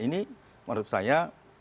ini menurut saya